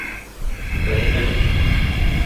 Karina Lee